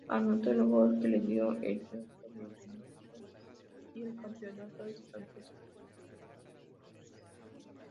Anotó el gol que le dio el triunfo definitivo y el campeonato al Santos.